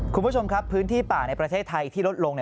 คุณผู้ชมครับพื้นที่ป่าในประเทศไทยที่ลดลง